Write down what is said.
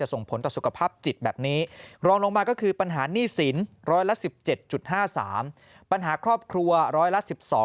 ส่งผลต่อสุขภาพจิตแบบนี้ลองลงมาก็คือปัญหานี่สินร้อยละ๑๗๕๓ปัญหาครอบครัวร้อยละ๑๒๓๗